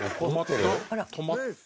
止まった？